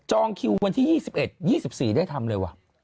จองคิววันที่๒๑วันที่๒๔ได้ทำเลยว่ะ